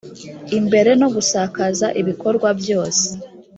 imbere no gusakaza ibikorwa byose